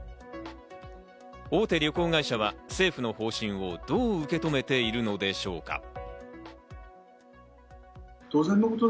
大手旅行会社は政府の方針をどう受け止めているのでしょうか。